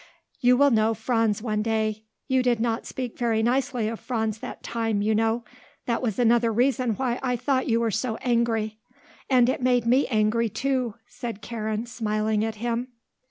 You will know Franz one day. You did not speak very nicely of Franz that time, you know; that was another reason why I thought you were so angry. And it made me angry, too," said Karen, smiling at him.